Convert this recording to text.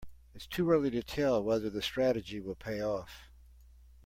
It's too early to tell whether the strategy will pay off.